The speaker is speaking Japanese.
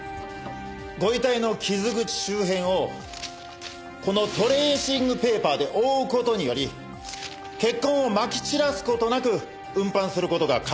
ご遺体の傷口周辺をこのトレーシングペーパーで覆う事により血痕をまき散らす事なく運搬する事が可能となります。